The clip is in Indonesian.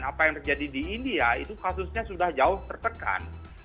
apa yang terjadi di india itu kasusnya sudah jauh tertekan